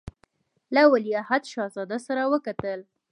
له ولیعهد شهزاده سره وکتل.